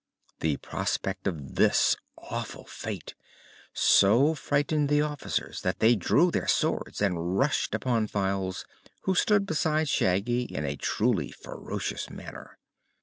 The prospect of this awful fate so frightened the officers that they drew their swords and rushed upon Files, who stood beside Shaggy, in a truly ferocious manner.